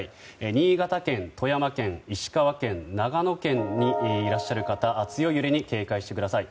新潟県、富山県、石川県長野県にいらっしゃる方強い揺れに警戒してください。